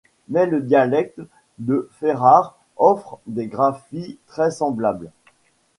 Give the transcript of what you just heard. Mais le dialecte de Ferrare offre des graphies très semblables.